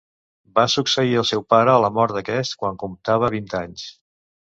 Va succeir el seu pare a la mort d'aquest quan comptava vint anys.